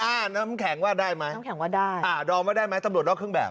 อ่าน้ำแข็งว่าได้ไหมอ่าดอมว่าได้ไหมตำรวจนอกเครื่องแบบ